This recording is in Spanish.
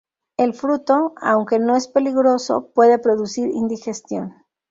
El fruto, aunque no es peligroso, puede producir indigestión.